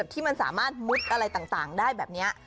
ที่มันสามารถมุดอะไรต่างได้แบบนี้